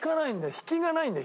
引きがないんだよ